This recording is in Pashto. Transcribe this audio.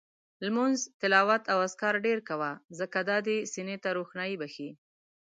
لمونځ، تلاوت او اذکار ډېر کوه، ځکه دا دې سینې ته روښاني بخښي